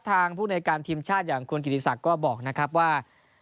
ทางผู้ในการทีมชาติอย่างคุณกิติศักดิ์ก็บอกนะครับว่า